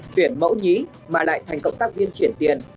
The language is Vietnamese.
tuyển mẫu nhí mà lại thành cộng tác viên chuyển tiền